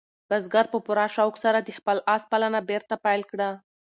بزګر په پوره شوق سره د خپل آس پالنه بېرته پیل کړه.